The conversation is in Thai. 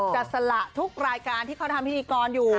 สละทุกรายการที่เขาทำพิธีกรอยู่